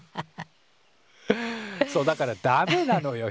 そうだからダメなのよ